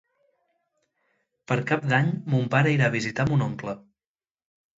Per Cap d'Any mon pare irà a visitar mon oncle.